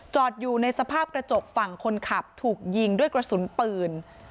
อยู่ในสภาพกระจกฝั่งคนขับถูกยิงด้วยกระสุนปืน